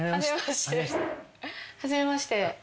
初めまして。